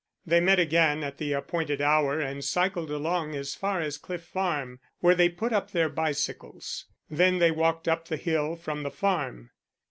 They met again at the appointed hour and cycled along as far as Cliff Farm, where they put up their bicycles. Then they walked up the hill from the farm.